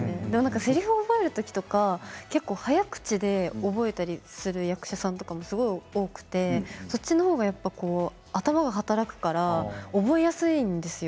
せりふを覚える時とか早口で覚えたりする役者さんとかもすごく多くてそっちの方が頭が働くから覚えやすいんですよ。